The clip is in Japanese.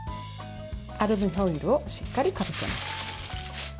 アルミホイルをしっかりかけます。